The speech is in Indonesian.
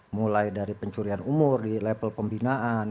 mulai dari pencurian umur di level pembinaan